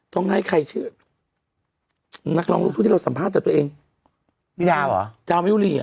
ต้องให้ใครชื่อนักร้องลูกทุ่งที่เราสัมภาษณ์แต่ตัวเองบีดาเหรอดาวมะยุรีอ่ะ